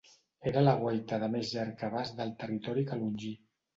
Era la guaita de més llarg abast del territori calongí.